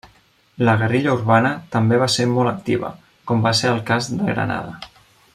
La guerrilla urbana també va ser molt activa, com va ser el cas de Granada.